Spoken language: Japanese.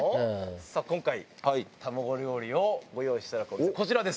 さあ今回卵料理をご用意していただくお店こちらです。